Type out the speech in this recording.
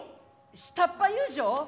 下っ端遊女？